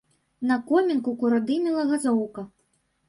На комінку куродымела газоўка.